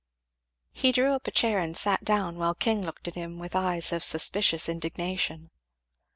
He drew up a chair and sat down, while King looked at him with eyes of suspicious indignation.